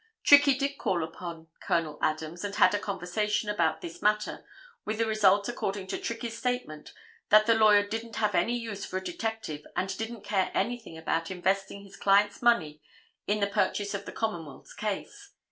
Trickey did call upon Col. Adams and had a conversation about this matter with the result according to Trickey's statement that the lawyer didn't have any use for a detective and didn't care anything about investing his client's money in the purchase of the Commonwealth's case.